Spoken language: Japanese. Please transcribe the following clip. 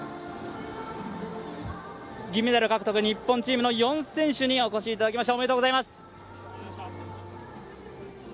銀メダル獲得日本選手の４選手にお越しいただきました。